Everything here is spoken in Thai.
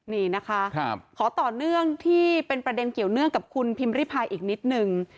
นี่นะคะขอต่อเนื่องที่เป็นประเด็นเกี่ยวเนื่องกับคุณพิมพิพายอีกนิดนึง